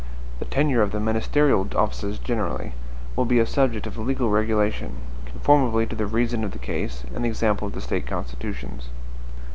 The tenure of the ministerial offices generally, will be a subject of legal regulation, conformably to the reason of the case and the example of the State constitutions.